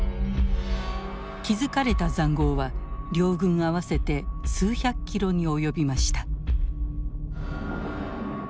築かれた塹壕は両軍合わせて数百キロに及びました。